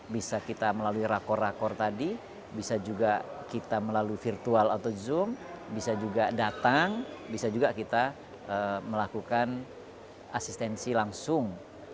bisa kita melalui rakor rakor tadi bisa juga kita melalui virtual atau zoom bisa juga datang bisa juga kita melakukan asistensi langsung